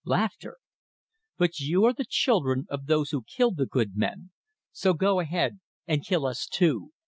But you are the children of those who killed the good men; so go ahead and kill us too!